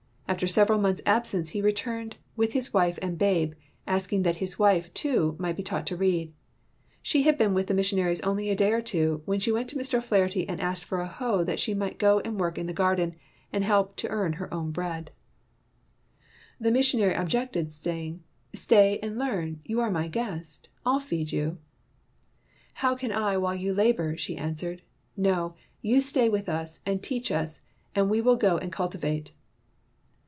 After several months' absence he returned with his wife and babe, asking that his wife, too, might be taught to read. She had been with the missionaries only a day or two when she went to Mr. O 'Flaherty to ask for a hoe that she might go and work in the garden and help to earn her own bread. 167 WHITE MAN OF WORK The missionary objected, saying: "Stay and learn, you are my guest; I'll feed you." "How can I while you labor," she an swered. "No, you stay with us, and teach us, and we will go and cultivate.